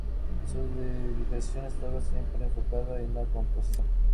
Su dedicación estaba siempre enfocada en la composición.